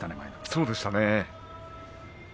そうでしたね。